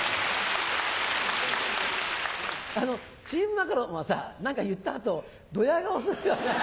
あのチームマカロンはさ何か言った後ドヤ顔するよね。